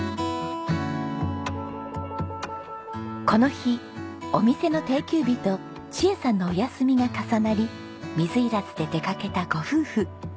この日お店の定休日と千恵さんのお休みが重なり水入らずで出かけたご夫婦。